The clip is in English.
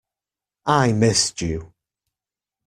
I missed you.